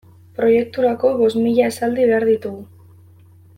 Proiekturako bost mila esaldi behar ditugu.